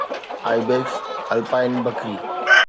Ibex alpine Bakhri